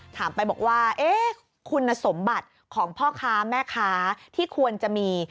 ถามไปบอกว่าคุณสมบัติของพ่อค้าแม่ค้าที่ควรจะมี